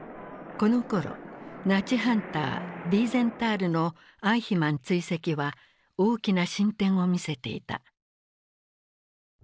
このころナチハンターヴィーゼンタールのアイヒマン追跡は大きな進展を見せていた。